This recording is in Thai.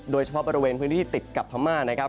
โดยเฉพาะบริเวณพื้นที่ติดกับพม่านะครับ